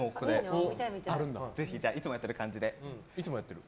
いつもやっている感じで。